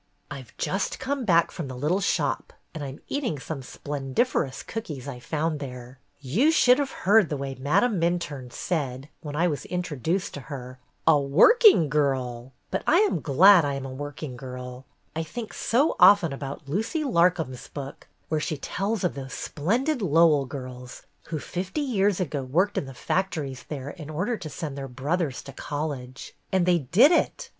"I 've just come back from the little shop and I 'm eating some splendiferous cookies I found there. "You should have heard the way Madame Minturne said, when I was introduced to her, 'A working girl !' But I am glad I am a work ing girl. I think so often about Lucy Lar com's book, where she tells of those splendid Lowell girls who fifty years ago worked in the factories there in order to send their brothers to college. And they did it!